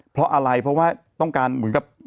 เพราะอะไรเพราะว่าต้องการเหมือนกับ